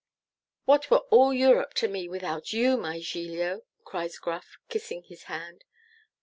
'What were all Europe to me without YOU, my Giglio?' cries Gruff, kissing his hand.